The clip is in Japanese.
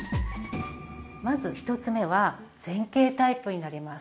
まず１つ目は前傾タイプになります。